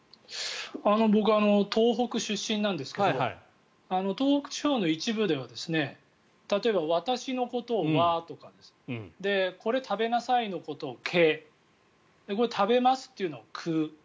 僕、東北出身なんですけど東北地方の一部では例えば私のことを「わ」とかこれ、食べなさいのことを「け」食べますっていうのを「く」